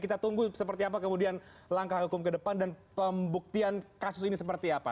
kita tunggu seperti apa kemudian langkah hukum ke depan dan pembuktian kasus ini seperti apa